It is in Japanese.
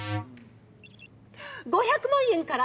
５００万円から。